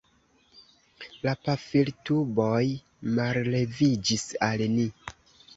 La pafiltuboj malleviĝis al ni.